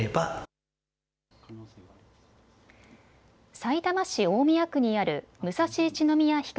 さいたま市大宮区にある武蔵一宮氷川